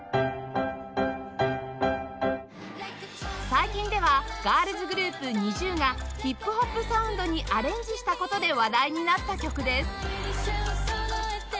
最近ではガールズグループ ＮｉｚｉＵ がヒップホップサウンドにアレンジした事で話題になった曲です